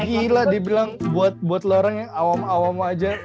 gila dia bilang buat lu orang yang awam awam aja